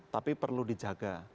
tapi perlu dijaga